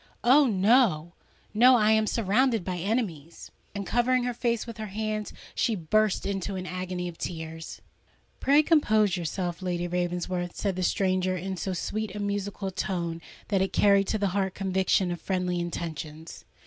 Oh! no—no: I am surrounded by enemies!" And covering her face with her hands, she burst into an agony of tears. "Pray compose yourself, Lady Ravensworth," said the stranger, in so sweet and musical a tone that it carried to the heart conviction of friendly intentions.